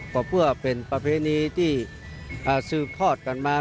ก็เพื่อเป็นประเพณีที่สืบทอดกันมา